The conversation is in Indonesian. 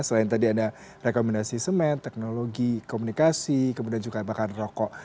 selain tadi ada rekomendasi semen teknologi komunikasi kemudian juga bahkan rokok